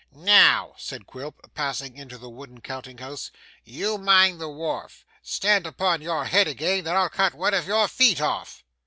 'Now,' said Quilp, passing into the wooden counting house, 'you mind the wharf. Stand upon your head agin, and I'll cut one of your feet off.